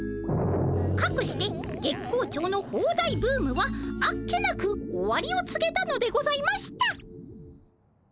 かくして月光町のホーダイブームはあっけなく終わりをつげたのでございました。